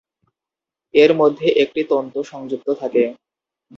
এর মধ্যে একটি তন্তু সংযুক্ত থাকে।